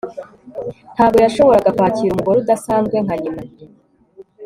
Ntabwo yashoboraga kwakira umugore udasanzwe nka nyina